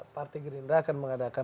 partai gerindra akan mengadakan